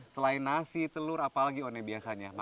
selain nasi telur apa lagi one biasanya